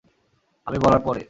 আমি বলার পরে।